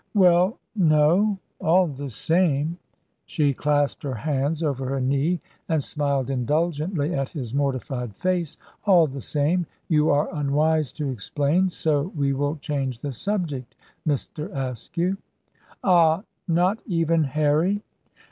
"Well, no; all the same " She clasped her hands over her knee, and smiled indulgently at his mortified face. "All the same, you are unwise to explain, so we will change the subject, Mr. Askew." "Ah! Not even Harry?"